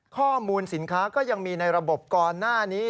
ข้อมูลสินค้าก็ยังมีในระบบก่อนหน้านี้